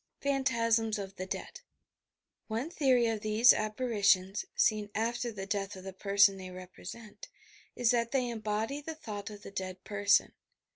PHANTASMS OP THE DEAD One theory of these apparitions (seen after the death of the person they represent) is that they embody the thought of the dead person.